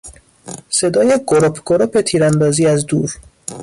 صدای گرپ گرپ تیراندازی از دور